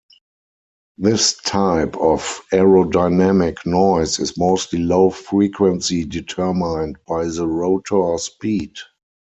This type of aerodynamic noise is mostly low frequency determined by the rotor speed.